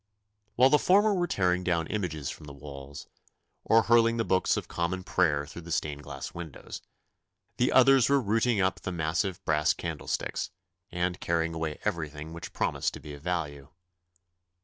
While the former were tearing down images from the walls, or hurling the books of common prayer through the stained glass windows, the others were rooting up the massive brass candlesticks, and carrying away everything which promised to be of value.